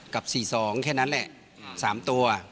กับ๔๒แค่นั้นแหละ๓ตัว